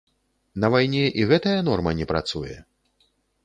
На вайне і гэтая норма не працуе?